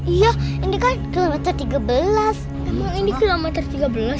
iya ini kan gelombang tiga belas